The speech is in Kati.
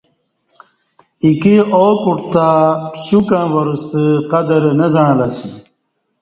ایکی ا کوٹ تہ پسیوکں وار ستہ قدر نہ زعں لہ اسی